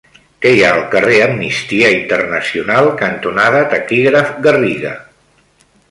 Què hi ha al carrer Amnistia Internacional cantonada Taquígraf Garriga?